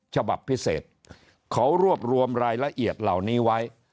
ฉบับพิเศษเขารวบรวมรายละเอียดเหล่านี้ไว้